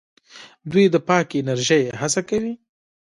دوی د پاکې انرژۍ هڅه کوي.